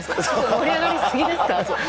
盛り上がりすぎですか？